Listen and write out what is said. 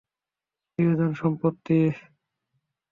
প্রিয়জন, সম্প্রতি?